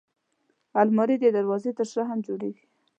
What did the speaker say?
الماري د دروازې تر شا هم جوړېږي